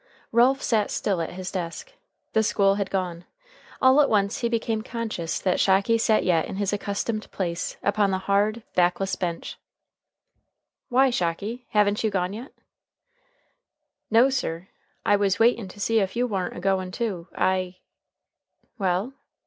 Ralph sat still at his desk. The school had gone. All at once he became conscious that Shocky sat yet in his accustomed place upon the hard, backless bench. "Why, Shocky, haven't you gone yet?" "No sir I was waitin' to see if you warn't a goin', too I " "Well?"